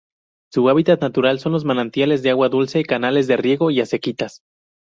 Su hábitat natural son manantiales de agua dulce, canales de riego y acequias.